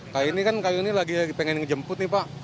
nah ini kan kali ini lagi pengen jemput nih pak